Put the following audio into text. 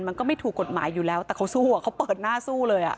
มันก็ไม่ถูกกฎหมายอยู่แล้วแต่เขาสู้อ่ะเขาเปิดหน้าสู้เลยอ่ะ